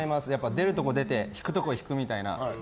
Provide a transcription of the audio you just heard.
出るとこ出て引くとこ引くみたいな。